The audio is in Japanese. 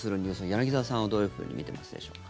柳澤さんはどういうふうに見てますでしょうか。